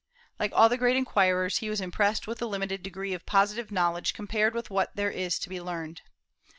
Like all the great inquirers, he was impressed with the limited degree of positive knowledge compared with what there is to be learned.